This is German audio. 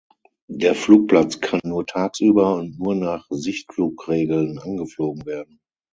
Der Flugplatz kann nur tagsüber und nur nach Sichtflugregeln angeflogen werden.